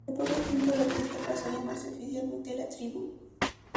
Dentro de poco tiempo la orquesta pasó a llamarse oficialmente La Tribu.